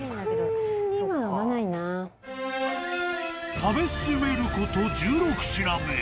［食べ進めること１６品目］